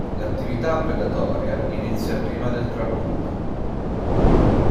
L'attività predatoria inizia prima del tramonto.